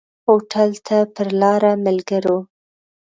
هوټل ته پر لاره ملګرو.